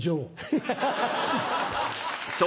ハハハ。